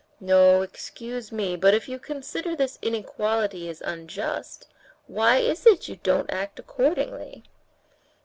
"No, excuse me, but if you consider this inequality is unjust, why is it you don't act accordingly?..."